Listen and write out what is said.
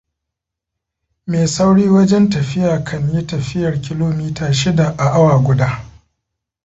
Me sauri wajen tafiya kan yi tafiyar kilomita shida a awa guda.